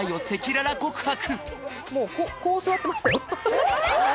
もうこう座ってましたよえっ！？